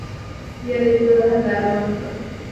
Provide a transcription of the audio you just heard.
গিয়া দেখিল, তাহার দ্বার বন্ধ।